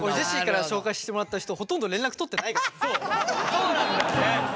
そうなんだよね！